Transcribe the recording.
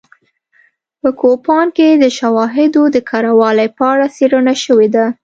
په کوپان کې د شواهدو د کره والي په اړه څېړنه شوې ده